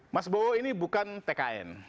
mas bowo ini bukan tkn